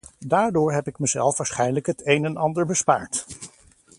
Daardoor heb ik mezelf waarschijnlijk het een en ander bespaard.